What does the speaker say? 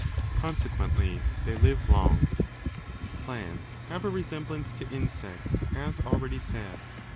Consequently, they live 4 long. Plants have a resemblance to insects, as already said.